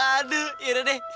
aduh ya udah di